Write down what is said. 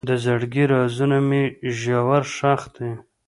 د زړګي رازونه مې ژور ښخ دي.